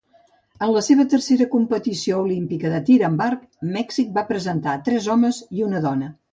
En la seva tercera competició olímpica de tir amb arc, Mèxic va presentar tres homes i una dona.